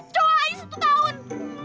coba aja satu tahun